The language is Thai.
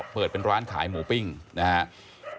เปิดเป็นร้านขายหมูปิ้งนะครับ